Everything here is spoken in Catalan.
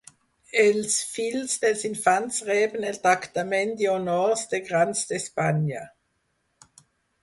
Els fills dels infants reben el tractament i honors de Grans d'Espanya.